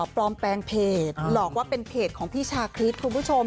ปลอมแปลงเพจหลอกว่าเป็นเพจของพี่ชาคริสคุณผู้ชม